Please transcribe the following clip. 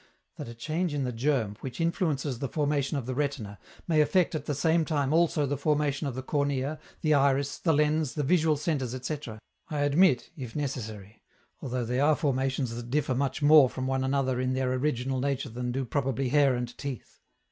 That a change in the germ, which influences the formation of the retina, may affect at the same time also the formation of the cornea, the iris, the lens, the visual centres, etc., I admit, if necessary, although they are formations that differ much more from one another in their original nature than do probably hair and teeth.